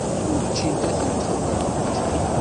Ugint ad ten-xebbrent.